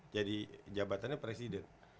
jadi jabatannya presiden